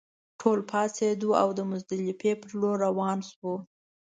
ټول پاڅېدو او مزدلفې پر لور روان شوو.